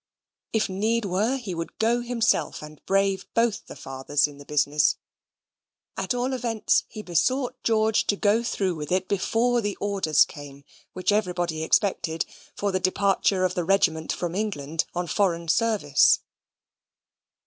If need were he would go himself and brave both the fathers in the business. At all events, he besought George to go through with it before the orders came, which everybody expected, for the departure of the regiment from England on foreign service.